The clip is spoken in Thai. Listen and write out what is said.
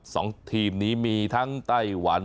สองทีมนี้มีทั้งไต้หวัน